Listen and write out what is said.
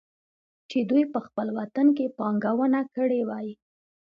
چې دوي په خپل وطن کې پانګونه کړى وى.